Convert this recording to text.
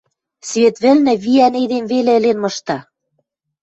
Свет вӹлнӹ виӓн эдем веле ӹлен мышта.